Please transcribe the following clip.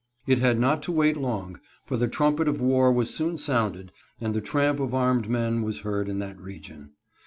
It had not to wait long, for the trumpet of war was soon sounded, and the tramp of armed men was heard in that region.